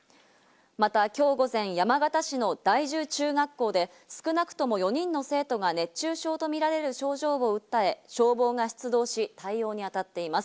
またきょう午前、山形市の第十中学校で、少なくとも４人の生徒が熱中症とみられる症状を訴え、消防が出動し、対応にあたっています。